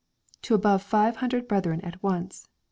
To above five hundred brethren at once.